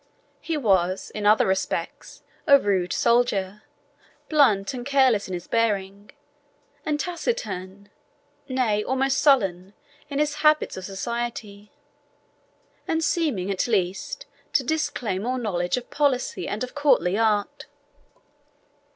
He was, in other respects, a rude soldier, blunt and careless in his bearing, and taciturn nay, almost sullen in his habits of society, and seeming, at least, to disclaim all knowledge of policy and of courtly art.